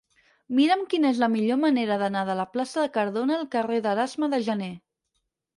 Mira'm quina és la millor manera d'anar de la plaça de Cardona al carrer d'Erasme de Janer.